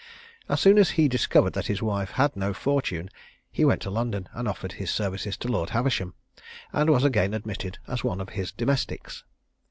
As soon as he discovered that his wife had no fortune, he went to London and offered his services to Lord Haversham, and was again admitted as one of his domestics.